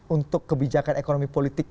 untuk kebijakan ekonomi politik